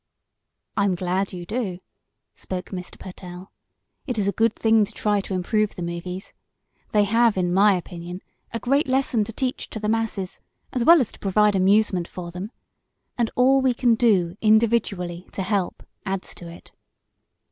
"I am glad you do," spoke Mr. Pertell. "It is a good thing to try to improve the movies. They have, in my opinion, a great lesson to teach to the masses, as well as to provide amusement for them. And all we can do, individually, to help, adds to it.